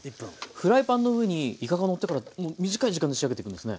フライパンの上にいかがのってから短い時間で仕上げていくんですね。